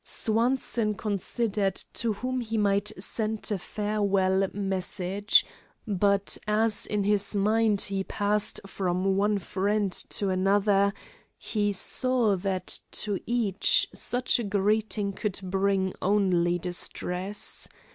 Swanson considered to whom he might send a farewell message, but as in his mind he passed from one friend to another, he saw that to each such a greeting could bring only distress.